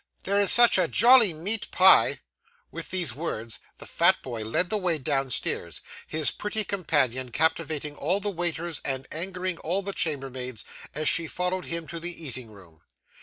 'There is such a jolly meat pie!' With these words, the fat boy led the way downstairs; his pretty companion captivating all the waiters and angering all the chambermaids as she followed him to the eating room.